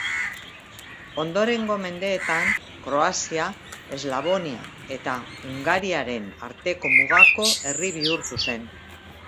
Ondorengo mendeetan Kroazia-Eslavonia eta Hungariaren arteko mugako herri bihurtu zen.